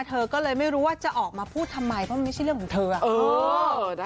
เธอก็เลยไม่รู้ว่าจะออกมาพูดทำไมเพราะมันไม่ใช่เรื่องของเธอ